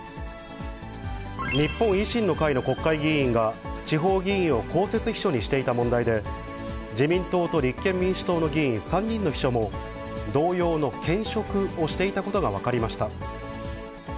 日本維新の会の国会議員が、地方議員を公設秘書にしていた問題で、自民党と立憲民主党の議員３人の秘書も、同様の兼職をしていたことが分かりました。